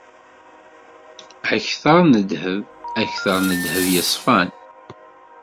Akter n ddheb, akter n ddheb yeṣfan.